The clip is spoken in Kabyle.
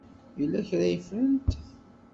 Yella kra ay ffrent?